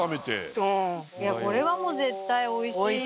これはもう絶対おいしいよ。